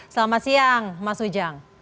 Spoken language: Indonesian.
selamat siang mas ujang